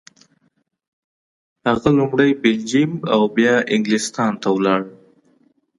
هغه لومړی بلجیم او بیا انګلستان ته ولاړ.